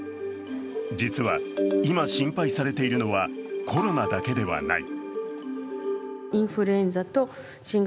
実は、今心配されているのはコロナだけではない。